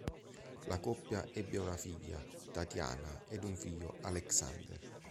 La coppia ebbe una figlia, Tatyana, ed un figlio Alexander.